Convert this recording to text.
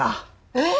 えっ！？